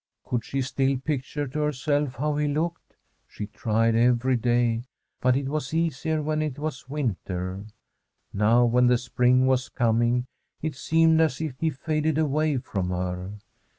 Could she still picture to herself how he looked ? She tried every day ; but it was easier when it was winter. Now, when the spring was coming, it seemed as if he faded away from her.